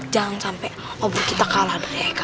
jangan sampai obrol kita kalah